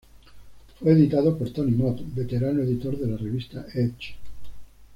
Fue editado por Tony Mott, veterano editor de la revista Edge.